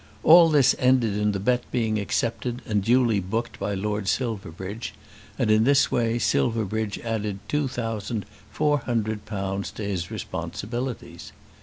All this ended in the bet being accepted and duly booked by Lord Silverbridge. And in this way Silverbridge added two thousand four hundred pounds to his responsibilities.